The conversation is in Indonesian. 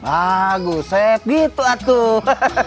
ah gusep gitu atuh